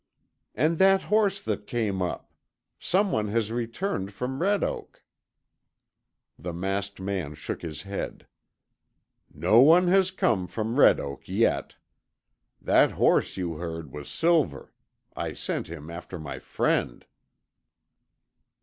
"And that horse that came up. Someone has returned from Red Oak." The masked man shook his head. "No one has come from Red Oak yet. That horse you heard was Silver. I sent him after my friend."